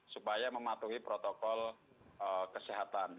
supaya mematuhi protokol kesehatan